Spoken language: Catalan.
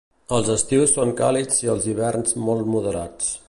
Els estius són càlids i els hiverns molt moderats.